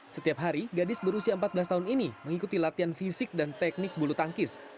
setiap hari gadis berusia empat belas tahun ini mengikuti latihan fisik dan teknik bulu tangkis